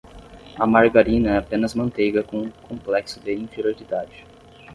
A margarina é apenas manteiga com um complexo de inferioridade.